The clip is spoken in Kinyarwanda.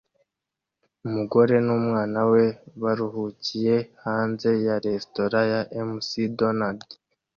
Umugore numwana we baruhukiye hanze ya resitora ya McDonald